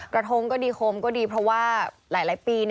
ทงก็ดีโคมก็ดีเพราะว่าหลายปี